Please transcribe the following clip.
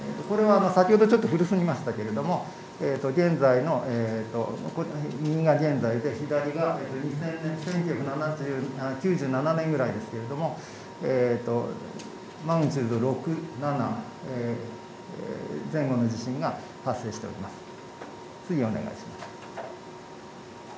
これは先ほどちょっと古すぎましたけれども、現在の、右が現在で、左が２０００年、１９９７年ぐらいですけれども、マグニチュード６、７前後の地震が発生しております。